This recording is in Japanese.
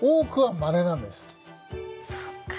そっか。